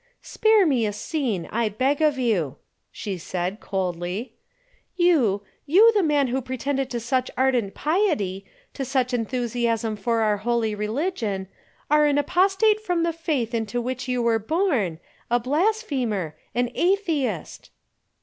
"Spare me a scene, I beg of you," she said, coldly. "You, you the man who pretended to such ardent piety, to such enthusiasm for our holy religion, are an apostate from the faith into which you were born, a blasphemer, an atheist."